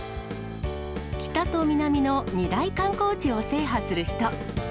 北と南の２大観光地を制覇する人。